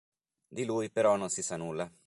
Di lui però non si sa nulla.